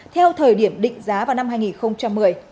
theo thời điểm định giá vào năm hai nghìn một mươi